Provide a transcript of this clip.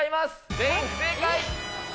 全員不正解。